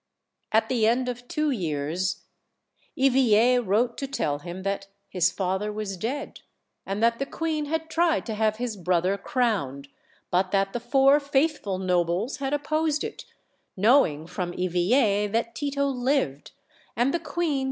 At the end of two years Eveille wrote to tell him that his father was dead, and that the queen had tried to have his brother crowned, but that the four faithful nobles had opposed it, knowing from Eveille that Tito lived; and the queer.